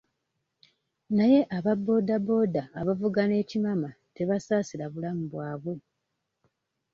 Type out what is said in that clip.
Naye aba booda booda abavuga n'ekimama tebasaasira bulamu bwabwe.